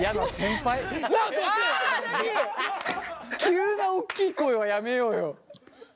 急な大きい声はやめようよ。